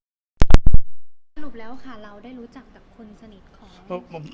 สรุปแล้วเราได้รู้จักคนสนิทค่ะ